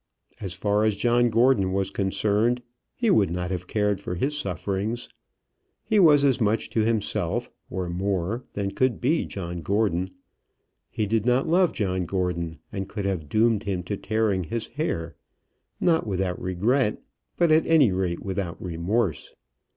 As far as John Gordon was concerned, he would not have cared for his sufferings. He was as much to himself, or more, than could be John Gordon. He did not love John Gordon, and could have doomed him to tearing his hair, not without regret, but at any rate without remorse.